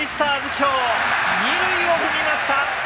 今日、二塁を踏みました。